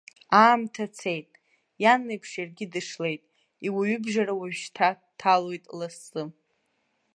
Аамҭа цеит, иан леиԥш иаргьы дышлеит, иуаҩыбжара уажәшьҭа дҭалоит лассы.